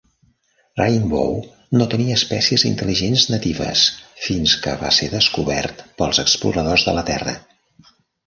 Rainbow no tenia espècies intel·ligents natives fins que va ser descobert pels exploradors de la Terra.